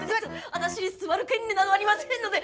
私に座る権利などありませんので。